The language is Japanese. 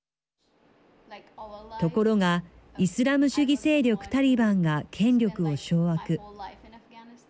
ところがイスラム主義勢力タリバンが権力を掌握。